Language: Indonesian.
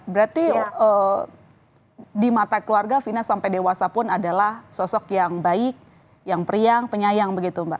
berarti di mata keluarga fina sampai dewasa pun adalah sosok yang baik yang periang penyayang begitu mbak